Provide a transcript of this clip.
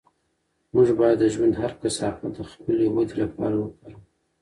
موږ باید د ژوند هر کثافت د خپلې ودې لپاره وکاروو.